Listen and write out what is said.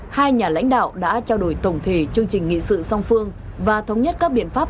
hai nhà lãnh đạo đã trao đổi tổng thể chương trình nghị sự song phương và thống nhất các biện pháp